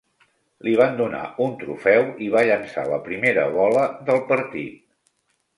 Li van donar un trofeu i va llançar la primera bola del partit.